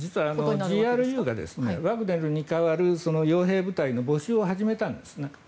ＧＲＵがワグネルに代わる傭兵部隊の募集を始めたんですね